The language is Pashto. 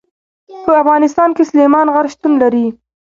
په افغانستان کې سلیمان غر شتون لري.